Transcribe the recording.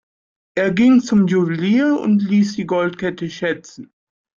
Er ging zum Juwelier und ließ die Goldkette schätzen.